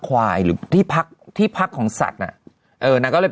หรือที่พักที่พักของสัตว์อ่ะเออนางก็เลย